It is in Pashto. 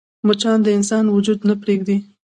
مچان د انسان وجود نه پرېږدي